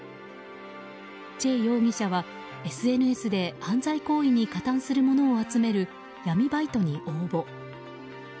チェ容疑者は、ＳＮＳで犯罪行為に加担する者を集める闇バイトに応募。